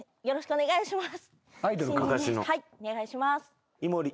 お願いします。